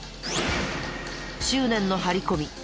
執念の張り込み。